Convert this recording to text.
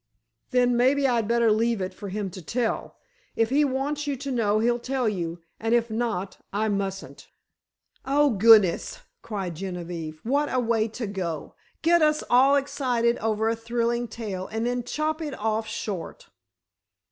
"Then, maybe I'd better leave it for him to tell. If he wants you to know he'll tell you, and if not, I mustn't." "Oh, goodness!" cried Genevieve. "What a way to do! Get us all excited over a thrilling tale, and then chop it off short!"